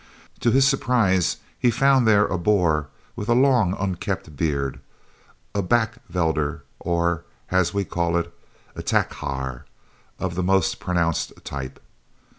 To his surprise he found there a Boer with a long, unkempt beard a "backvelder," or, as we call it, a "takhaar," of the most pronounced type.